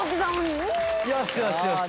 よしよしよし。